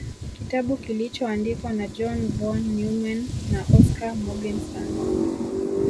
Kitabu kilichoandikwa na John von Neumann na Oskar Morgenstern